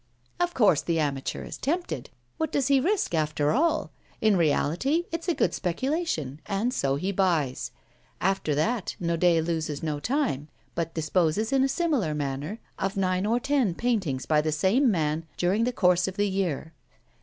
Of course the amateur is tempted. What does he risk after all? In reality it's a good speculation, and so he buys. After that Naudet loses no time, but disposes in a similar manner of nine or ten paintings by the same man during the course of the year.